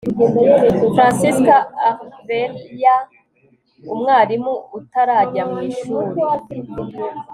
Francisca Alvear umwarimu utarajya mu ishuri